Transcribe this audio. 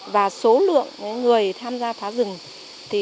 và số lượng người tham gia phá rừng ở một thôn